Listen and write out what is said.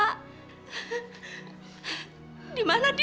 mas hasan kamu mau makan apa